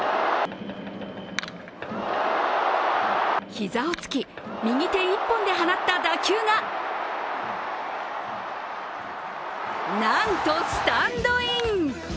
膝をつき、右手一本で放った打球がなんとスタンドイン。